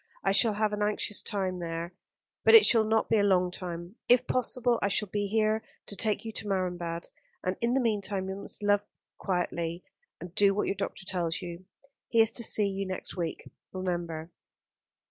I shall have an anxious time there; but it shall not be a long time. If possible, I shall be here to take you to Marienbad, and in the meantime you must live quietly, and do what your doctor tells you. He is to see you next week, remember."